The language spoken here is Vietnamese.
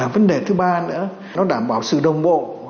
vấn đề thứ ba nữa nó đảm bảo sự đồng bộ